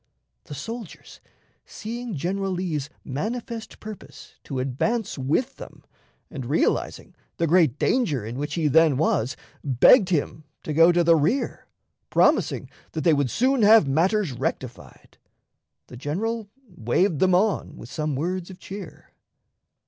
"The soldiers, seeing General Lee's manifest purpose to advance with them, and realizing the great danger in which he then was, begged him to go to the rear, promising that they would soon have matters rectified. The General waved them on with some words of cheer."